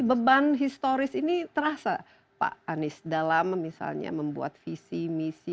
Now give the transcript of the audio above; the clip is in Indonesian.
beban historis ini terasa pak anies dalam misalnya membuat visi misi